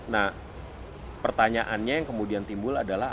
nah pertanyaannya yang kemudian timbul adalah